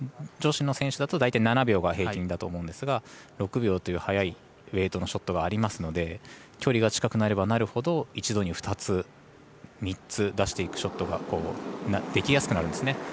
女子の選手だとだいたい７秒が平均だと思うんですが、６秒という速いウエイトのショットがありますので距離が近くなればなるほど１度に２つ３つ出していくショットができやすくなるんですね。